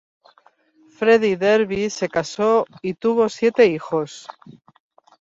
Freddy Derby se casó y tuvo siete hijos.